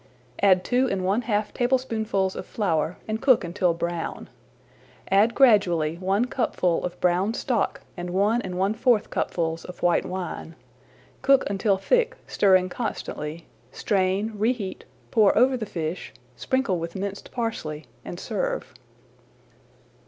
Add two and one half tablespoonfuls of flour and cook until brown. Add gradually one cupful of brown stock and one and one fourth cupfuls of white wine. Cook until [Page 73] thick, stirring constantly, strain, reheat, pour over the fish, sprinkle with minced parsley, and serve.